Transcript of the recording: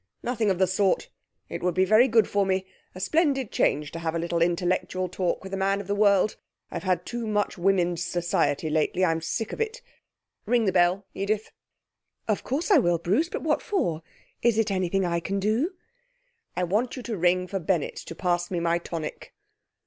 'Nothing of the sort. It would be very good for me; a splendid change to have a little intellectual talk with a man of the world. I've had too much women's society lately. I'm sick of it. Ring the bell, Edith.' 'Of course I will, Bruce, but what for? Is it anything I can do?' 'I want you to ring for Bennett to pass me my tonic.'